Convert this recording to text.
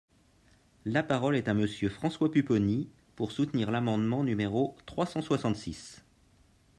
La parole est à Monsieur François Pupponi, pour soutenir l’amendement numéro trois cent soixante-six.